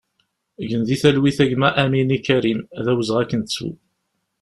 Gen di talwit a gma Amini Karim, d awezɣi ad k-nettu!